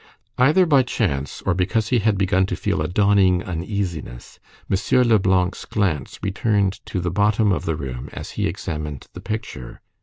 Either by chance, or because he had begun to feel a dawning uneasiness, M. Leblanc's glance returned to the bottom of the room as he examined the picture.